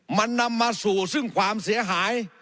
มันนำมาสู่ซึ่งความเสียหาย